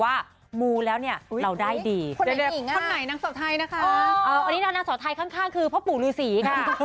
อันนี้นางสาวไทยข้างคือพ่อปู่หรือสี